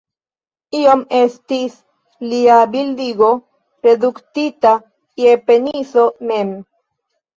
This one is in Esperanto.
Iam estis lia bildigo reduktita je peniso mem.